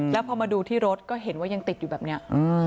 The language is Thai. แล้วพอมาดูที่รถก็เห็นว่ายังติดอยู่แบบนี้